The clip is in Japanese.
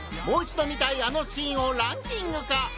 もう一度見たいあのシーンをランキング化！